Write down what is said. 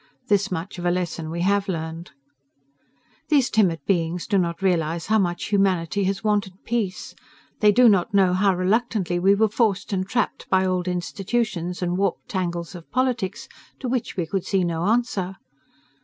This much of a lesson we have learned. These timid beings do not realize how much humanity has wanted peace. They do not know how reluctantly we were forced and trapped by old institutions and warped tangles of politics to which we could see no answer.